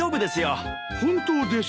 本当ですか！